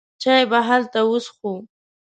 چای به هلته وڅښو.